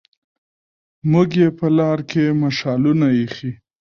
موږ يې په لار کې مشالونه ايښي